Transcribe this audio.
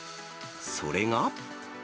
それが。